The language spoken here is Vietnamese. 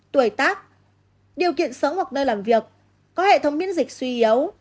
tuổi tác điều kiện sống hoặc nơi làm việc có hệ thống miễn dịch suy yếu